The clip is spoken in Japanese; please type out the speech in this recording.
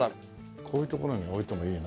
こういう所に置いてもいいな。